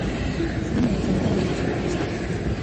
次の予想に誰もが注目した